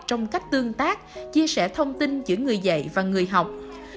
trong cách tương tác chia sẻ thông tin giữa người dạy và người học